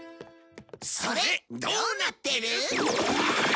それどうなってる？